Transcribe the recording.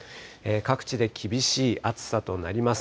各地で厳しい暑さとなります。